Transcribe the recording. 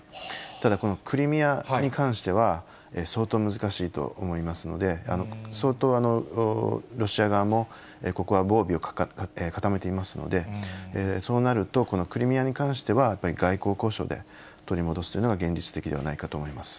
ただ、このクリミアに関しては、相当難しいと思いますので、相当、ロシア側もここは防備を固めていますので、そうなると、このクリミアに関しては、やっぱり外交交渉で取り戻すというのが現実的ではないかと思います。